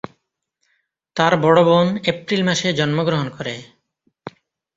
তার বড় বোন এপ্রিল মাসে জন্মগ্রহণ করে।